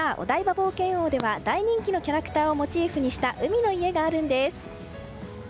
冒険王では大人気のキャラクターをモチーフにした海の家があるんです。